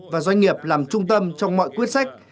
và doanh nghiệp làm trung tâm trong mọi quyết sách